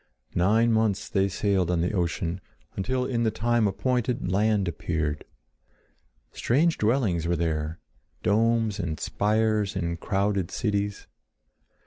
Nine months they sailed on the ocean, until in the time appointed land appeared. Strange dwellings were there, domes and spires and crowded cities.